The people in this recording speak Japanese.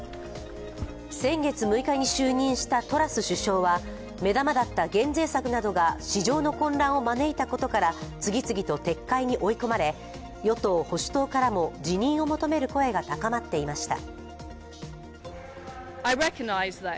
先月６日の就任したトラス首相は目玉だった減税策などが市場の混乱を招いたことから次々と撤回に追い込まれ与党・保守党からも辞任を求める声が高まっていました。